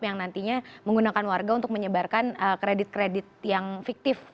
yang nantinya menggunakan warga untuk menyebarkan kredit kredit yang fiktif